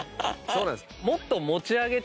そうなんです。